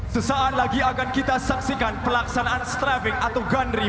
sesaat lagi akan kita saksikan pelaksanaan strafing atau gunry